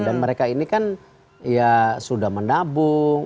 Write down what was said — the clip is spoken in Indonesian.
dan mereka ini kan ya sudah menabung